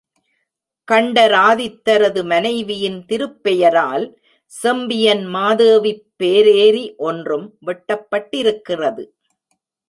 கண்டராதித்தரது மனைவியின் திருப் பெயரால் செம்பியன் மாதேவிப் பேரேரி ஒன்றும் வெட்டப்பட்டிருக்கிறது.